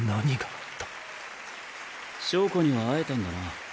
硝子には会えたんだな。